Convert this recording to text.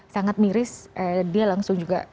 sangat miris dia langsung juga